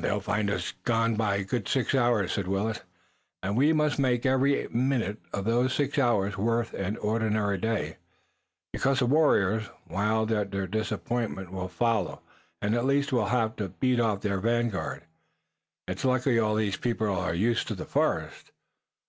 "They'll find us gone by a good six hours," said Willet, "and we must make every minute of those six hours worth an ordinary day, because the warriors, wild at their disappointment, will follow, and at least we'll have to beat off their vanguard. It's lucky all these people are used to the forest."